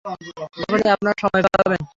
যখনই আপনারা সময় পাবেন।